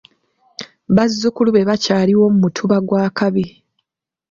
Bazzukulu be bakyaliwo mu Mutuba gwa Kabi.